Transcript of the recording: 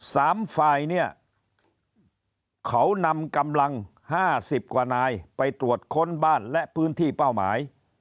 สามฝ่ายเนี่ยเขานำกำลังห้าสิบกว่านายไปตรวจค้นบ้านและพื้นที่เป้าหมาย